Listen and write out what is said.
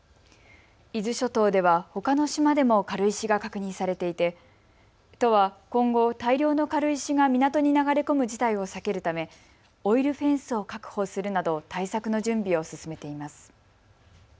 伊豆諸島では、ほかの島でも軽石が確認されていて都は今後、大量の軽石が港に流れ込む事態を避けるためオイルフェンスを確保するなど対策の準備を進めています。